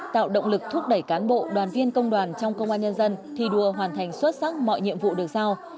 tạo động lực thúc đẩy cán bộ đoàn viên công đoàn trong công an nhân dân thi đua hoàn thành xuất sắc mọi nhiệm vụ được giao